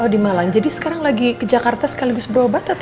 di malang jadi sekarang lagi ke jakarta sekaligus berobat